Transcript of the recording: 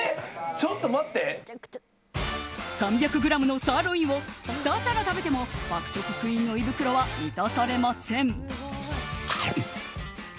３００ｇのサーロインを２皿食べても爆食クイーンの胃袋は満たされません。